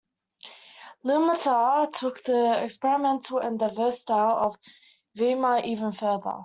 "Ilmatar" took the experimental and diverse style of "Vihma" even further.